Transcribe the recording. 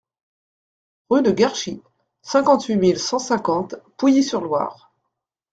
Rue de Garchy, cinquante-huit mille cent cinquante Pouilly-sur-Loire